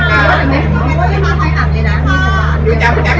คราวใดมันกำลังจะมุดยากหัวจาก